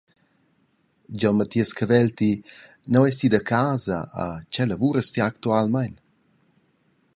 Gion Mathias Cavelty, nua eis ti da casa e tgei lavuras ti actualmein?